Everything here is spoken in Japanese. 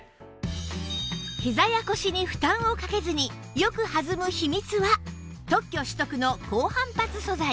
ひざや腰に負担をかけずによく弾む秘密は特許取得の高反発素材